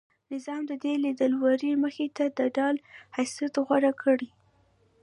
نظام د دې لیدلوري مخې ته د ډال حیثیت غوره کړی.